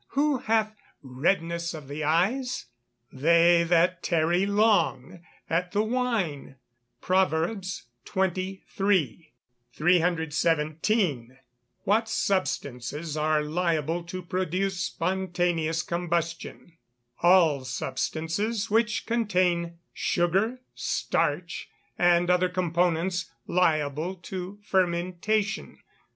who hath redness of the eyes? They that tarry long at the wine." PROV. XXIII.] 317. What substances are liable to produce spontaneous combustion? All substances which contain sugar, starch, and other components liable to fermentation.